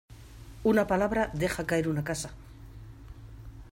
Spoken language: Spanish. Una palabra deja caer una casa.